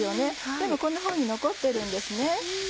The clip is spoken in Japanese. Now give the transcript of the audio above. でもこんなふうに残ってるんです。